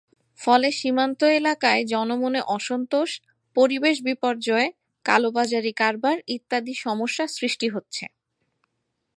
ফলে সীমান্ত এলাকায় জনমনে অসন্তোষ, পরিবেশ বিপর্যয়, কালোবাজারি কারবার ইত্যাদি সমস্যা সৃষ্টি হচ্ছে।